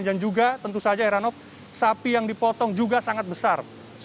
dan juga tentu saja heranov sapi yang dipotong juga sangat besar